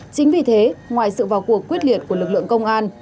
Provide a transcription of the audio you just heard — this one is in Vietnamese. chính vì thế ngoài sự vào cuộc quyết liệt của lực lượng công an